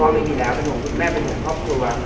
ไม่มีอยู่แล้วเป็นห่วงคุณแม่เป็นห่วงครอบครัว